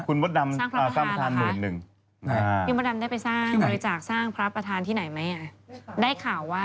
พี่บริจาคสร้างพระประธานที่ไหนไหมไง